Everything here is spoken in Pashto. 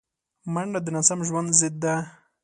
منډه د ناسم ژوند ضد ده